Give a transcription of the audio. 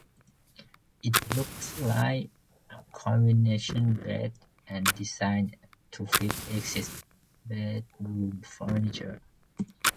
It looks like a conventional bed and is designed to fit existing bedroom furniture.